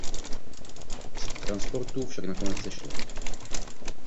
Z transportu však nakonec sešlo.